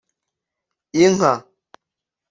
inka